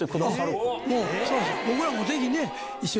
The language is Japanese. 僕らもぜひ。